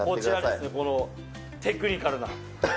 このテクニカルな。